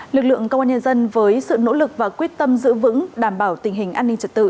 lực lượng công an nhân dân với sự nỗ lực và quyết tâm giữ vững đảm bảo tình hình an ninh trật tự